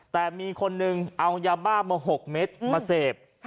แต่มีคนนึงเอายาบ้ามา๖เม็ดมาเสพ